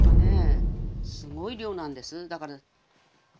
すごい量なんです。